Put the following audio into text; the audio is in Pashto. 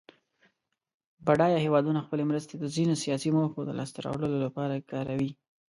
بډایه هېوادونه خپلې مرستې د ځینو سیاسي موخو د لاس ته راوړلو لپاره کاروي.